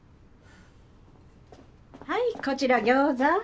はいこちら餃子！